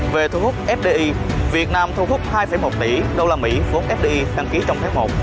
về thu hút fdi việt nam thu hút hai một tỷ usd vốn fdi đăng ký trong tháng một